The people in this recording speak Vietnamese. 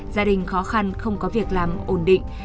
gia đình khó khăn không có việc làm ổn định